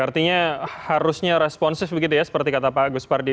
artinya harusnya responsif begitu ya seperti kata pak agus pardi